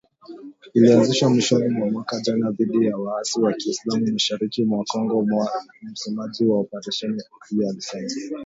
Ilianzishwa mwishoni mwa mwaka jana dhidi ya waasi wa kiislam mashariki mwa Kongo msemaji wa operesheni hiyo alisema.